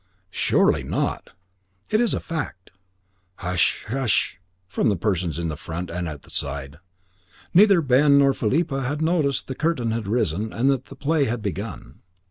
"Surely not?" "It is a fact." "Hush, hush!" from persons in front and at the side. Neither Ben nor Philippa had noticed that the curtain had risen and that the play had begun.